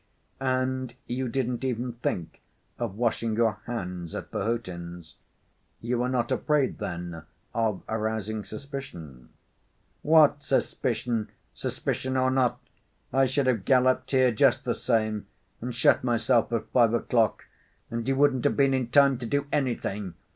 "And you didn't even think of washing your hands at Perhotin's? You were not afraid then of arousing suspicion?" "What suspicion? Suspicion or not, I should have galloped here just the same, and shot myself at five o'clock, and you wouldn't have been in time to do anything.